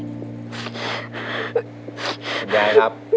คุณแยรับ